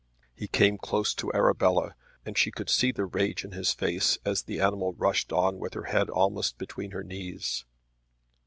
He came close to Arabella and she could see the rage in his face as the animal rushed on with her head almost between her knees.